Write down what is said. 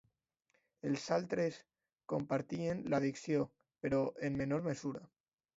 Els altres compartien l'addicció però en menor mesura.